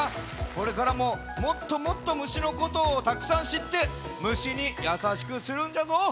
これからももっともっと虫のことをたくさんしって虫にやさしくするんじゃぞ。